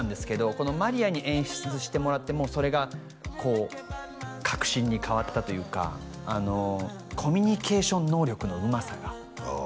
このマリアに演出してもらってもうそれがこう確信に変わったというかあのコミュニケーション能力のうまさがああ